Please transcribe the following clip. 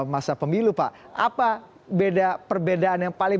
masa pemilu pak apa perbedaan yang paling